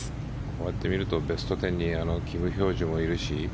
こうやって見るとベスト１０にキム・ヒョジュもいるし